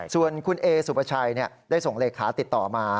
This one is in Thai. ส่วนคุณเอสุปชัยได้ส่งเลขาติดต่อมา